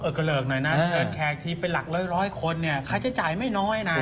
แอดแคลชีเป็นหลักร้อยคนขายใช่จ่ายไม่น้อยนะ